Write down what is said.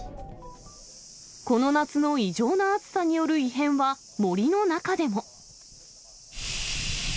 この夏の異常な暑さによる異変は、森の中でも。